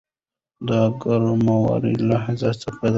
دا ګرامري لحاظ څپه ده.